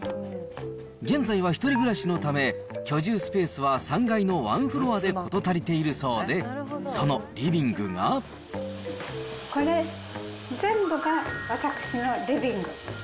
現在は１人暮らしのため、居住スペースは３階のワンフロアで事足りているようで、これ、全部が私のリビング。